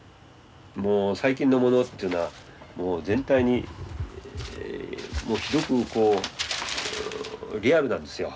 最近のものっていうのは全体にひどくリアルなんですよ。